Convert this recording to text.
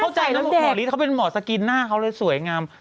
เข้าใจแล้วคุณหมอลิตรเขาเป็นหมอสกินหน้าเขาเลยสวยอังกฤษ